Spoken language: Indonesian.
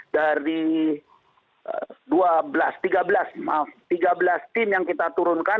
dari tiga belas tim yang kita turunkan